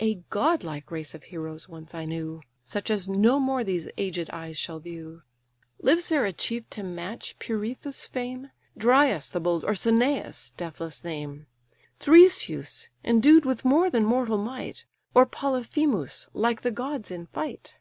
A godlike race of heroes once I knew, Such as no more these aged eyes shall view! Lives there a chief to match Pirithous' fame, Dryas the bold, or Ceneus' deathless name; Theseus, endued with more than mortal might, Or Polyphemus, like the gods in fight?